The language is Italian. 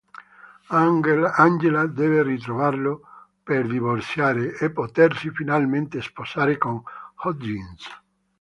Angela deve ritrovarlo per divorziare e potersi finalmente sposare con Hodgins.